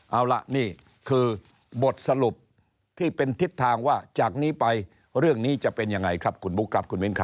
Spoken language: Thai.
เอาล่ะนี่คือบทสรุปที่เป็นทิศทางว่าจากนี้ไปเรื่องนี้จะเป็นยังไงครับคุณบุ๊คครับคุณมิ้นครับ